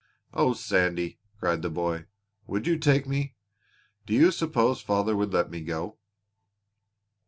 "Oh, Sandy," cried the boy, "would you take me? Do you suppose father would let me go?"